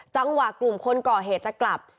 จังหวะกลุ่มคนก่อเหตุจะกลับ